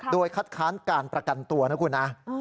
โดยคัดค้านการประกันตัวนะคุณนะ